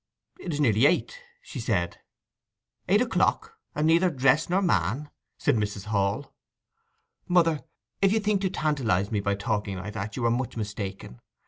'It is nearly eight,' said she. 'Eight o'clock, and neither dress nor man,' said Mrs. Hall. 'Mother, if you think to tantalize me by talking like that, you are much mistaken!